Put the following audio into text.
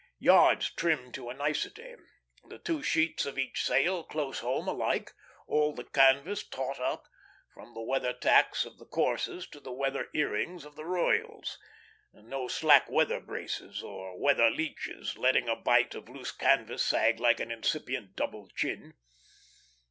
Yards trimmed to a nicety; the two sheets of each sail close home alike; all the canvas taut up, from the weather tacks of the courses to the weather earings of the royals; no slack weather braces, or weather leaches, letting a bight of loose canvas sag like an incipient double chin.